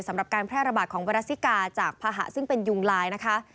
สำหรับการแพร่ระบาดของไวรัสซิกาจากภาหะซึ่งเป็นยุงลายนะคะ